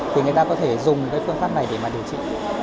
thì người ta có thể dùng cái phương pháp này để mà điều trị